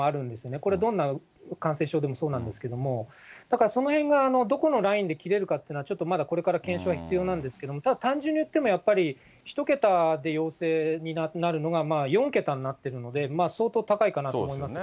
これ、どんな感染症でもそうなんですけども、だからそのへんがどこのラインで切れるかっていうのはちょっとまだこれから検証が必要なんですけども、ただ単純に言っても、やっぱり１桁で陽性になるのが４桁になっているので、相当高いかなと思いますね。